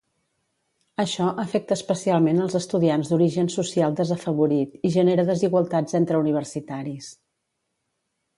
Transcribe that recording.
Això afecta especialment els estudiants d'origen social desafavorit i genera desigualtats entre universitaris.